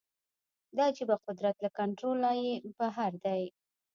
دا عجیبه قدرت له کنټروله یې بهر دی